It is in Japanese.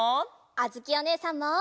あづきおねえさんも。